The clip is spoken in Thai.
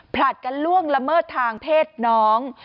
ผลัดกันล่วงละเมิดทางเพศน้อง